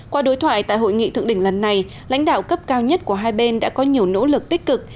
qua đối thoại tại hội nghị thượng đỉnh lần này lãnh đạo cấp cao nhất của hai bên đã có nhiều nỗ lực tích cực